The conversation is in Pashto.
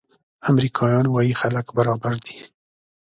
امریکایان وايي خلک برابر دي.